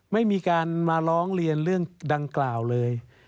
ไม่มีการมาร้องเรียนเรื่องดังกล่าวเลย